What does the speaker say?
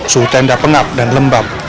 suhu tenda pengap dan lembab